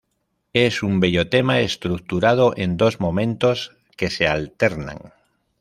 Es un bello tema estructurado en dos momentos que se alternan.